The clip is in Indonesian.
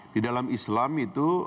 di dalam islam itu